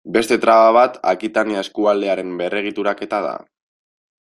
Beste traba bat Akitania eskualdearen berregituraketa da.